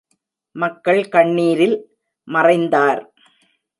மக்கள் கண்ணீரில் மறைந்தார்.